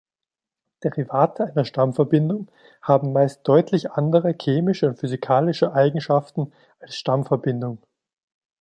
Derivate einer Stammverbindung haben meist deutlich andere chemische und physikalische Eigenschaften als Stammverbindung.